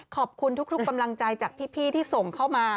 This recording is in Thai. ขอบคุณทุกกำลังใจจากพี่ที่ส่งเข้ามา